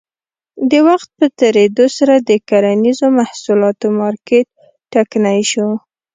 د وخت په تېرېدو سره د کرنیزو محصولاتو مارکېټ ټکنی شو.